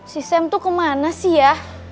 si sam tuh kemana sih ya